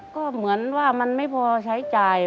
ก็เหมือนว่ามันไม่พอใช้จ่าย